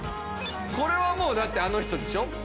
これはもうだってあの人でしょ。